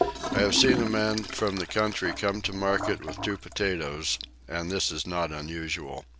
I have seen a man from the country come to market with two potatoes: and this is not unusual.